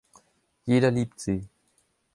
Jeder liebt sie.